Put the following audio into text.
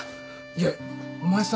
いやお前さ